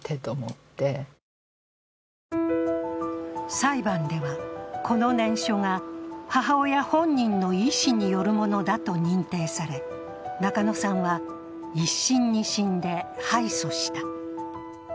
裁判では、この念書が母親本人の意思によるものだと認定され中野さんは、一審・二審で敗訴した。